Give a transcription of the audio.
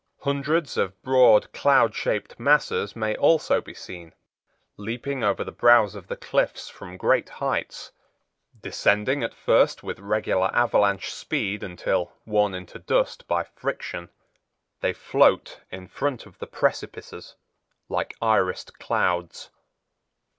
Hundreds of broad cloud shaped masses may also be seen, leaping over the brows of the cliffs from great heights, descending at first with regular avalanche speed until, worn into dust by friction, they float in front of the precipices like irised clouds.